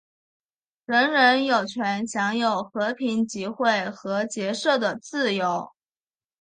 人人有权享有和平集会和结社的自由。